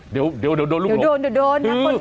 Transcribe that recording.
เท่าโดดลงโดนโดนโดน